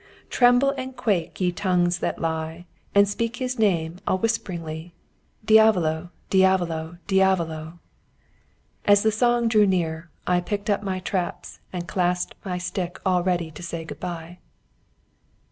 Tremble and quake ye tongues that lie, And speak his name all whisp'ringly: Diavolo, diavolo, diavolo!" As the song drew nearer, I packed up my traps and clasped my stick all ready to say good bye.